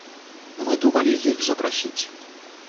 Мы думалі іх запрасіць.